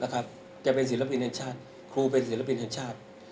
แกเป็นศิลปินแห่งชาติครูเป็นศิลปินแห่งชาติ